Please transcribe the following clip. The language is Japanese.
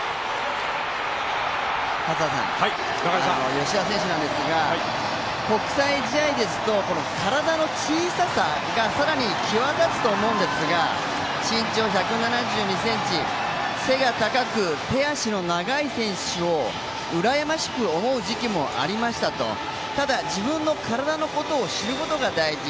吉田選手なんですが、国際試合ですと体の小ささが更に際立つと思うんですが、身長１７２ｃｍ、背が高く手足の長い選手をうらやましく思う時期もありましたと、ただ、自分の体のことを知ることが大事。